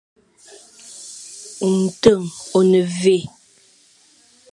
Nten ô ne mvè.